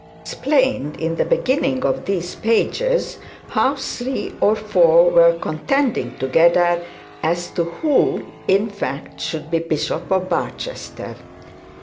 It has been explained, in the beginning of these pages, how three or four were contending together as to who, in fact, should be bishop of Barchester.